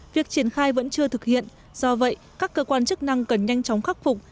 việc triển khai vẫn chưa thực hiện do vậy các cơ quan chức năng cần nhanh chóng khắc phục